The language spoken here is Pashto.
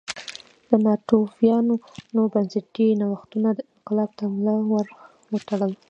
د ناتوفیانو بنسټي نوښتونو انقلاب ته ملا ور وتړله